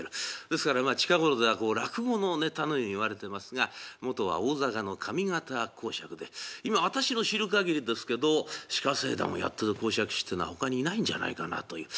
ですからまあ近頃ではこう落語のネタのように言われてますが元は大阪の上方講釈で今私の知る限りですけど「鹿政談」をやってる講釈師ってのはほかにいないんじゃないかなという。